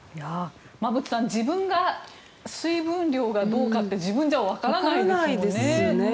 馬渕さん自分が水分量がどうかって自分じゃわからないですもんね。